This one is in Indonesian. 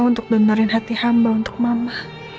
untuk bentarin hati hamba untuk mama